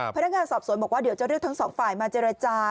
พนักงานสอบสวนบอกว่าเดี๋ยวจะเรียกทั้งสองฝ่ายมาเจรจา